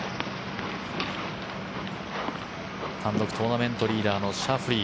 単独トーナメントリーダーのシャフリー。